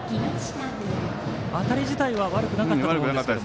当たり自体は悪くなかったんですが。